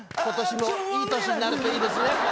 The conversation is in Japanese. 今年もいい年になるといいですね。